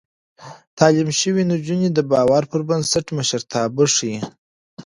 تعليم شوې نجونې د باور پر بنسټ مشرتابه ښيي.